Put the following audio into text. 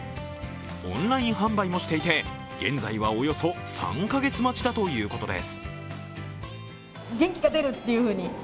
オンライン販売もしていて現在はおよそ３か月待ちだということです